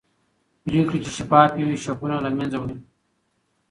پرېکړې چې شفافې وي شکونه له منځه وړي